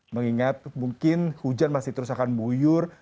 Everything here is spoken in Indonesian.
mengingat mungkin hujan masih terus akan buyur